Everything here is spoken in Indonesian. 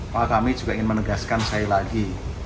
pak kami juga ingin menegaskan sekali lagi